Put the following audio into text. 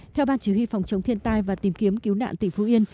theo ban chỉ huy phòng chống thiên tai và tìm kiếm cứu nạn tỉnh phú yên